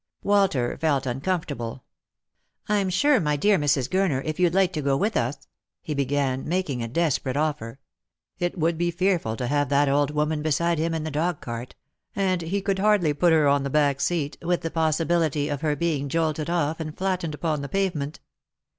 Walter felt uncomfortable. " I'm sure, my dear Mrs. Gurner, if you'd like to go with us —" be began, making a desperate offer. It would be fearful to have that old woman beside him in the dog cart : and he could hardly put her on the back seat, with the possibility of her being jolted off and flattened upoD the pavement.